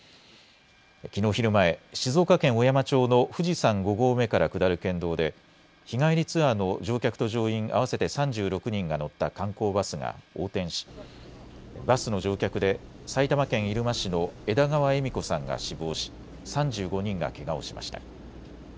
きのう昼前、静岡県小山町の富士山５合目から下る県道で日帰りツアーの乗客と乗員合わせて３６人が乗った観光バスが横転しバスの乗客で埼玉県入間市の枝川恵美子さんが死亡し３５人がけがをしました。